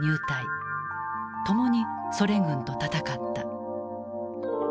共にソ連軍と戦った。